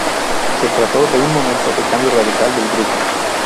Se trató de un momento de cambio radical del grupo.